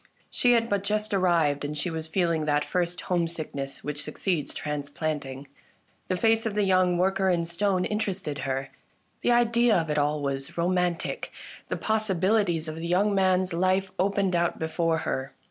She had but just arrived, and she was feeling that first home sickness which succeeds transplanting. The face of the young worker in stone interested her; the idea of it all was romantic ; the possibilities of the young man's life opened out before her.